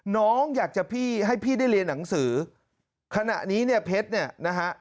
น้องอยากจะพี่ให้พี่ได้เรียนหนังสือขณะนี้เนี่ยเพชรเนี่ยนะฮะ